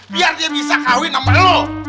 biar dia bisa kahwin sama lu